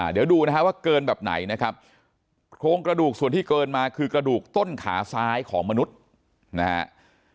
เดี๋ยวดูนะฮะว่าเกินแบบไหนนะครับโครงกระดูกส่วนที่เกินมาคือกระดูกต้นขาซ้ายของมนุษย์นะฮะ